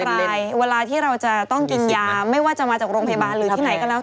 รายเวลาที่เราจะต้องกินยาไม่ว่าจะมาจากโรงพยาบาลหรือที่ไหนก็แล้ว